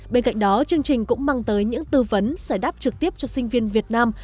bên cạnh đó chương trình cũng mang tới những tư vấn giải đáp trực tiếp cho sinh viên việt nam